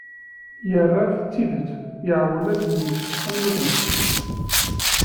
Yerra-tt d tidet, iεewwel ad yeg am nutni.